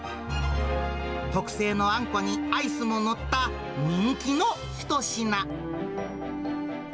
特製のあんこにアイスも載った人気の一品。